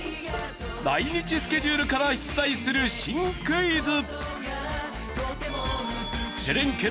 来日スケジュールから出題する新クイズ。